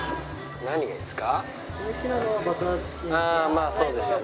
まあそうでしょうね。